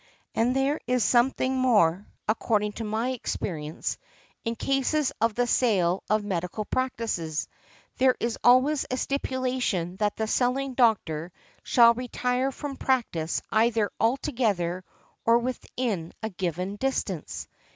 And there is something more, according to my experience, in cases of the sale of medical practices; there is always a stipulation that the selling doctor shall retire from practice either altogether or within a given distance.